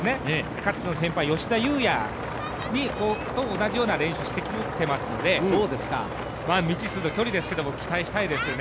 かつての先輩、吉田祐也と同じような練習をしていますので未知数の距離ですけど、期待したいですよね。